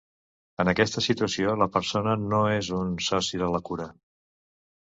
En aquesta situació, la persona no és un soci de la cura.